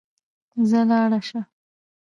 ځه ولاړ سه.